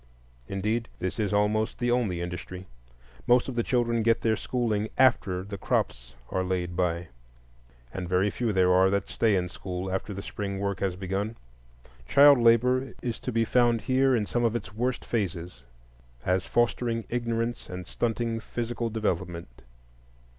Indeed, this is almost the only industry. Most of the children get their schooling after the "crops are laid by," and very few there are that stay in school after the spring work has begun. Child labor is to be found here in some of its worst phases, as fostering ignorance and stunting physical development.